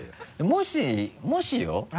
もしもしよ？